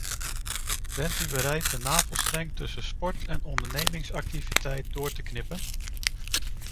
Bent u bereid de navelstreng tussen sport en ondernemingsactiviteiten door te knippen?